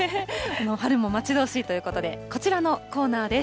春も待ち遠しいということで、こちらのコーナーです。